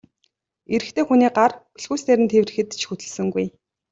Эрэгтэй хүний гар бэлхүүсээр нь тэврэхэд ч хөдөлсөнгүй.